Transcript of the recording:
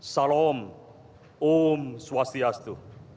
salam om swastiastu